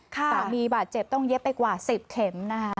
สามีบาดเจ็บต้องเย็บไปกว่า๑๐เข็มนะคะ